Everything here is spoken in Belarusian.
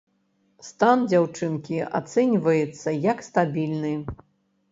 Стан дзяўчынкі ацэньваецца як стабільны.